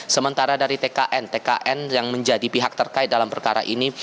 sementara dari tkn tkn yang menjadi pihak terkait dalam perkara ini